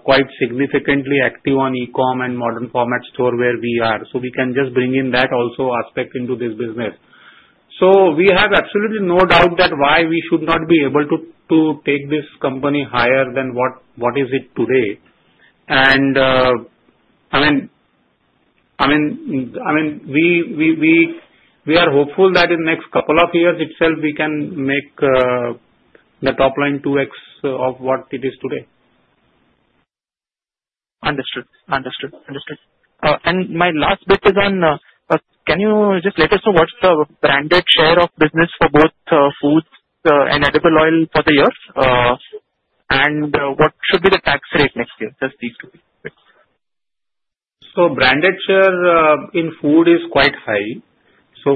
quite significantly active on e-comm and modern format store where we are. We can just bring in that also aspect into this business. We have absolutely no doubt that why we should not be able to take this company higher than what is it today. I mean, we are hopeful that in the next couple of years itself, we can make the top line 2X of what it is today. Understood, understood, understood. My last bit is on can you just let us know what's the branded share of business for both foods and edible oil for the year? What should be the tax rate next year? Just these two things. Branded share in food is quite high.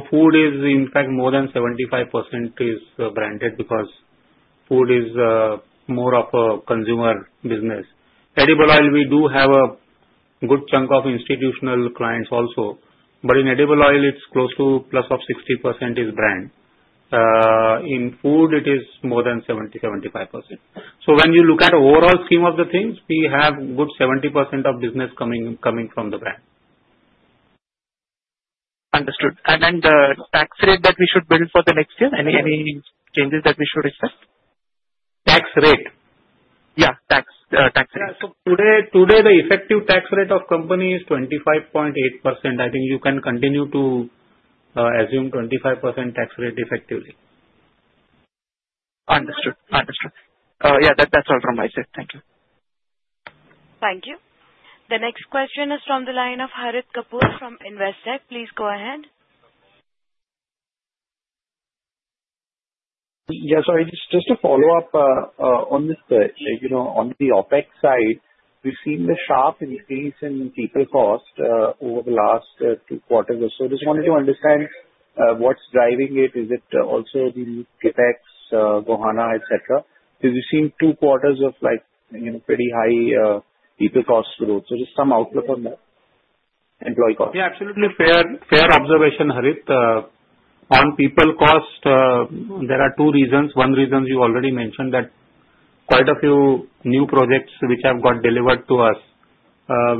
Food is, in fact, more than 75% is branded because food is more of a consumer business. Edible oil, we do have a good chunk of institutional clients also. In edible oil, it's close to plus of 60% is brand. In food, it is more than 70%-75%. When you look at the overall scheme of the things, we have a good 70% of business coming from the brand. Understood. The tax rate that we should build for the next year, any changes that we should expect? Tax rate? Yeah, tax rate. Yeah. Today, the effective tax rate of the company is 25.8%. I think you can continue to assume 25% tax rate effectively. Understood, understood. That's all from my side. Thank you. Thank you. The next question is from the line of Harit Kapoor from Investec. Please go ahead. Yeah, sorry. Just a follow-up on the OpEx side. We've seen the sharp increase in people cost over the last two quarters. I just wanted to understand what's driving it. Is it also the CapEx, Gohana, etc.? We've seen two quarters of pretty high people cost growth. Just some outlook on that. Employee cost. Yeah, absolutely fair observation, Harish. On people cost, there are two reasons. One reason you already mentioned that quite a few new projects which have got delivered to us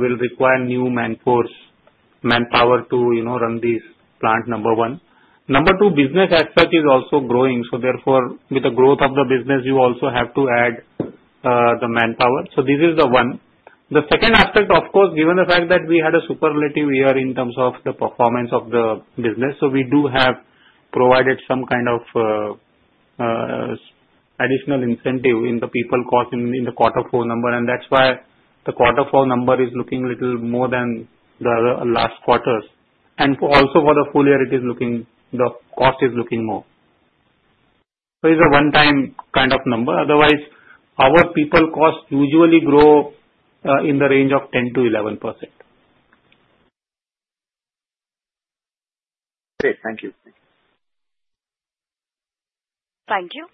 will require new manpower to run these plants, number one. Number two, business as such is also growing. Therefore, with the growth of the business, you also have to add the manpower. This is the one. The second aspect, of course, given the fact that we had a superlative year in terms of the performance of the business. We do have provided some kind of additional incentive in the people cost in the quarter four number. That is why the quarter four number is looking a little more than the last quarters. Also, for the full year, the cost is looking more. It is a one-time kind of number. Otherwise, our people cost usually grow in the range of 10-11%. Great. Thank you. Thank you.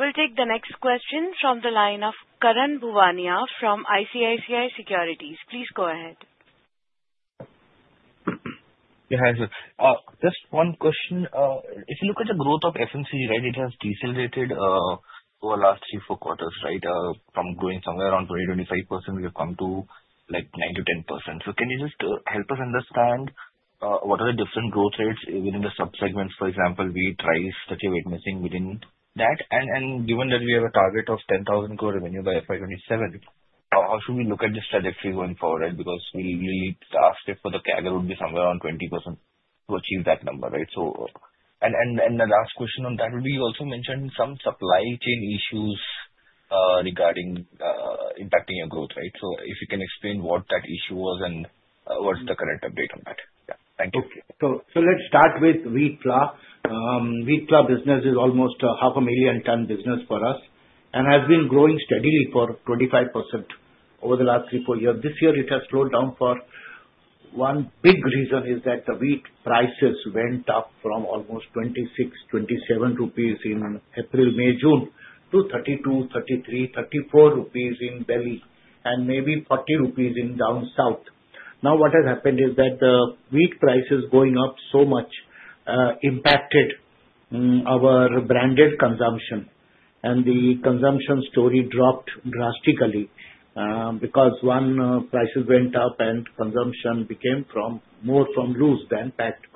We will take the next question from the line of Karan Bhuvania from ICICI Securities.Please go ahead. Yeah, just one question. If you look at the growth of FMCG, right, it has decelerated over the last three, four quarters, right, from growing somewhere around 20%-25%. We have come to like 9%-10%. Can you just help us understand what are the different growth rates within the subsegments? For example, wheat, rice, such as we are missing within that. Given that we have a target of 10,000 crore revenue by FY 2027, how should we look at this trajectory going forward, right? We really asked it for the CAGR would be somewhere around 20% to achieve that number, right? The last question on that would be you also mentioned some supply chain issues regarding impacting your growth, right? If you can explain what that issue was and what's the current update on that. Yeah. Thank you. Okay. Let's start with wheat flour. Wheat flour business is almost 500,000 ton business for us and has been growing steadily for 25% over the last three, four years. This year, it has slowed down for one big reason is that the wheat prices went up from almost 26 rupees-INR27 in April, May, June to INR 32-33-34 in Delhi and maybe 40 rupees in down south. Now, what has happened is that the wheat prices going up so much impacted our branded consumption, and the consumption story dropped drastically because one, prices went up and consumption became more from loose than packed.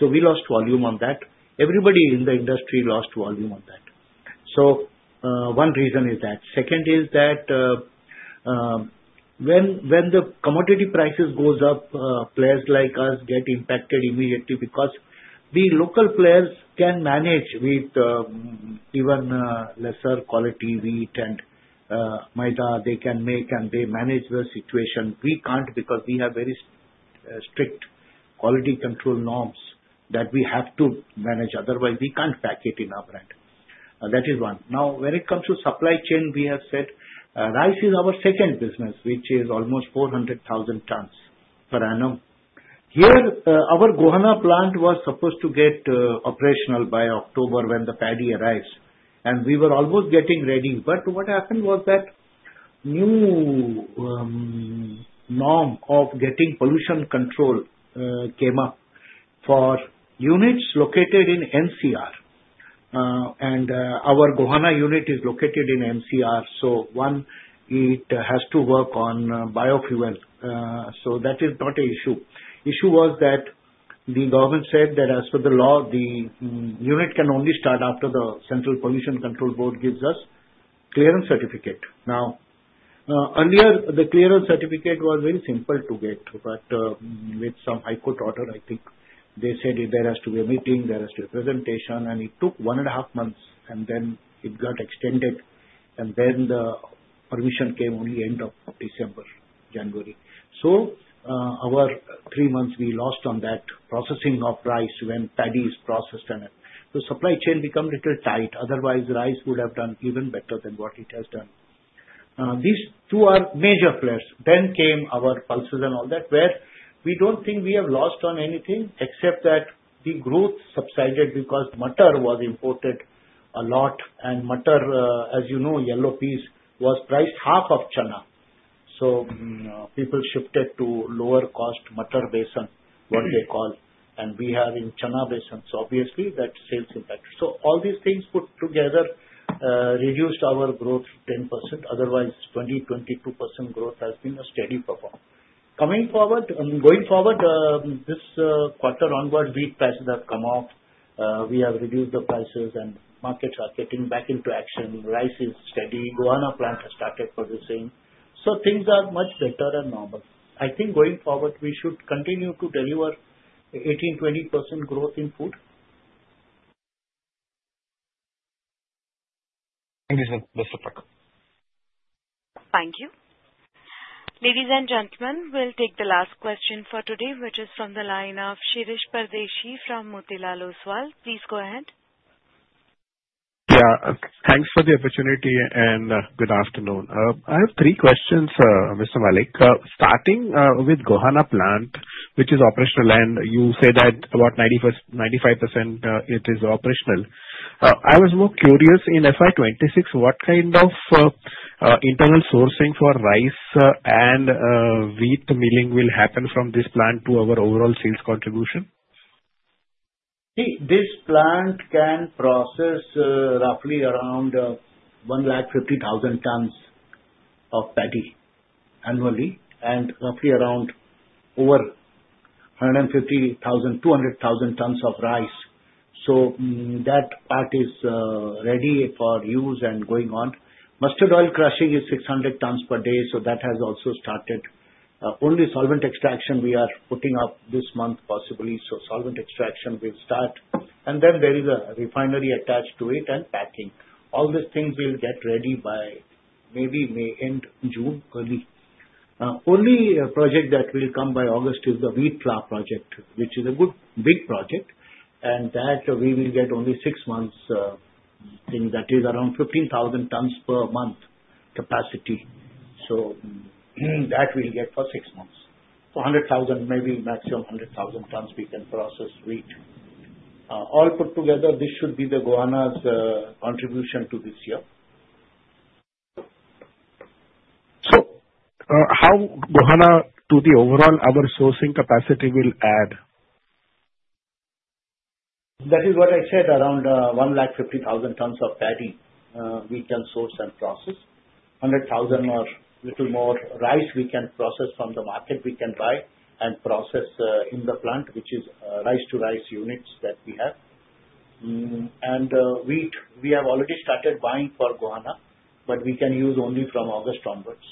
We lost volume on that. Everybody in the industry lost volume on that. One reason is that. Second is that when the commodity prices go up, players like us get impacted immediately because the local players can manage with even lesser quality wheat and maida they can make, and they manage the situation. We cannot because we have very strict quality control norms that we have to manage. Otherwise, we can't pack it in our brand. That is one. Now, when it comes to supply chain, we have said rice is our second business, which is almost 400,000 tons per annum. Here, our Gohana plant was supposed to get operational by October when the paddy arrives, and we were almost getting ready. What happened was that new norm of getting pollution control came up for units located in NCR. Our Gohana unit is located in NCR, so one, it has to work on biofuel. That is not an issue. The issue was that the government said that as per the law, the unit can only start after the Central Pollution Control Board gives us clearance certificate. Now, earlier, the clearance certificate was very simple to get, but with some high court order, I think they said there has to be a meeting, there has to be a presentation, and it took one and a half months, and then it got extended, and then the permission came only end of December, January. Our three months we lost on that processing of rice when paddy is processed and that. Supply chain became a little tight. Otherwise, rice would have done even better than what it has done. These two are major players. Then came our pulses and all that, where we don't think we have lost on anything except that the growth subsided because mutter was imported a lot, and mutter, as you know, yellow peas, was priced half of Channa. People shifted to lower-cost mutter basin, what they call, and we have in Channa basins. Obviously, that sales impacted. All these things put together reduced our growth 10%. Otherwise, 20%-22% growth has been a steady performance. Coming forward, going forward, this quarter onward, wheat prices have come off. We have reduced the prices, and markets are getting back into action. Rice is steady. Gohana plant has started producing. Things are much better than normal. I think going forward, we should continue to deliver 18%-20% growth in food. Thank you, sir. That's the fact. Thank you. Ladies and gentlemen, we'll take the last question for today, which is from the line of Shirish Pardeshi from Motilal Oswal. Please go ahead. Yeah. Thanks for the opportunity and good afternoon. I have three questions, Mr. Mallick. Starting with Gohana plant, which is operational, and you say that about 95% it is operational. I was more curious, in FY 2026, what kind of internal sourcing for rice and wheat milling will happen from this plant to our overall sales contribution? See, this plant can process roughly around 150,000 tons of paddy annually and roughly around over 150,000-200,000 tons of rice. That part is ready for use and going on. Mustard oil crushing is 600 tons per day, so that has also started. Only solvent extraction we are putting up this month, possibly. Solvent extraction will start. There is a refinery attached to it and packing. All these things will get ready by maybe May, June, early. Only project that will come by August is the wheat flour project, which is a good big project, and that we will get only six months' thing. That is around 15,000 tons per month capacity. That we'll get for six months. 100,000, maybe maximum 100,000 tons we can process wheat. All put together, this should be the Gohana's contribution to this year. How Gohana to the overall our sourcing capacity will add? That is what I said, around 150,000 tons of paddy we can source and process. 100,000 or a little more rice we can process from the market we can buy and process in the plant, which is rice-to-rice units that we have. Wheat, we have already started buying for Gohana, but we can use only from August onwards.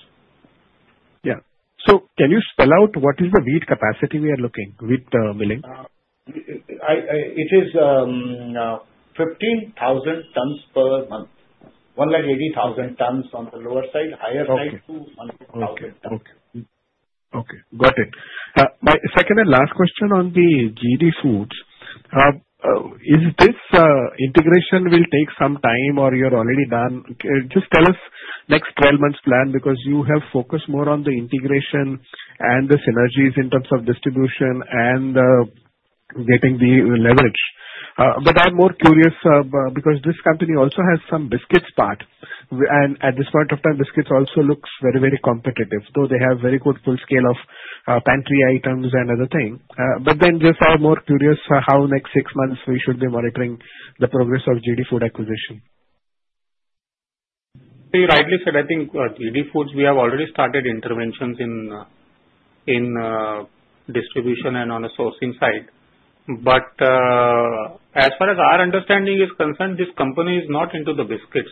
Yeah. Can you spell out what is the wheat capacity we are looking with the milling? It is 15,000 tons per month. 180,000 tons on the lower side, higher side to 100,000 tons. Okay. Okay. Got it. My second and last question on the GD Foods. Is this integration will take some time or you're already done? Just tell us next 12 months' plan because you have focused more on the integration and the synergies in terms of distribution and getting the leverage. I'm more curious because this company also has some biscuits part. At this point of time, biscuits also looks very, very competitive, though they have very good full scale of pantry items and other things. I'm more curious how next six months we should be monitoring the progress of GD Foods acquisition. You rightly said. I think GD Foods, we have already started interventions in distribution and on the sourcing side. As far as our understanding is concerned, this company is not into the biscuits.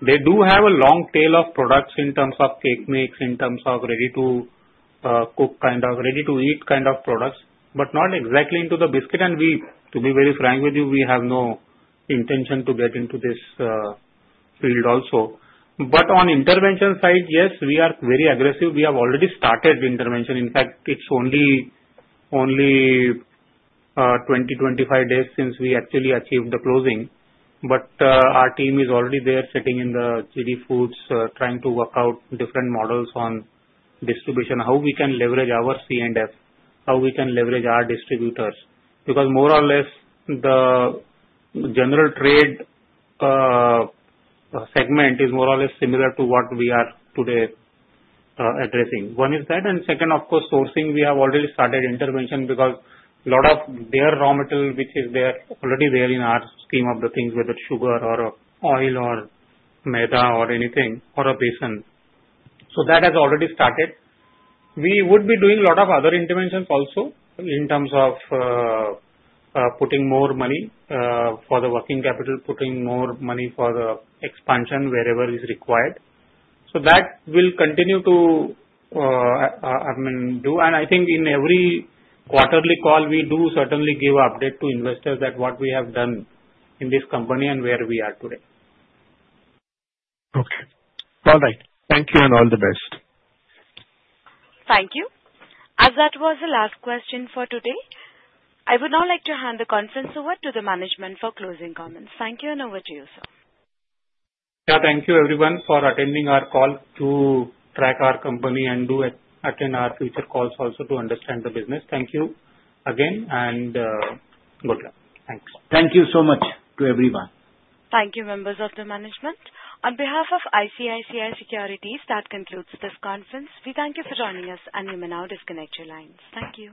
They do have a long tail of products in terms of cake mix, in terms of ready-to-cook kind of ready-to-eat kind of products, but not exactly into the biscuit and wheat. To be very frank with you, we have no intention to get into this field also. On intervention side, yes, we are very aggressive. We have already started intervention. In fact, it's only 20-25 days since we actually achieved the closing. Our team is already there sitting in the GD Foods trying to work out different models on distribution, how we can leverage our C&F, how we can leverage our distributors. More or less, the general trade segment is more or less similar to what we are today addressing. One is that. Second, of course, sourcing. We have already started intervention because a lot of their raw material, which is already there in our scheme of the things, whether sugar or oil or maida or anything or a besan. That has already started. We would be doing a lot of other interventions also in terms of putting more money for the working capital, putting more money for the expansion wherever is required. That will continue to, I mean, do. I think in every quarterly call, we do certainly give update to investors that what we have done in this company and where we are today. Okay. All right. Thank you and all the best. Thank you. As that was the last question for today, I would now like to hand the conference over to the management for closing comments. Thank you and over to you, sir. Yeah. Thank you, everyone, for attending our call to track our company and attend our future calls also to understand the business. Thank you again and good luck. Thanks. Thank you so much to everyone. Thank you, members of the management. On behalf of ICICI Securities, that concludes this conference. We thank you for joining us, and you may now disconnect your lines. Thank you.